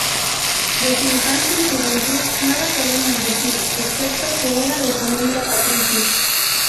De su infancia y juventud nada podemos decir, excepto que era de familia patricia.